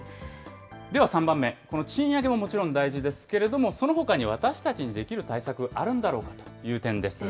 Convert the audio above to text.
では３番目、この賃上げももちろん大事ですけれども、そのほかに私たちにできる対策、あるんだろうかという点です。